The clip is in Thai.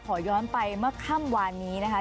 ขอย้อนไปมาขั้มวันนี้นะครับ